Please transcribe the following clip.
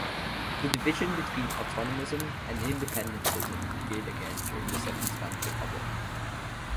The division between autonomism and independentism appeared again during the second Spanish Republic.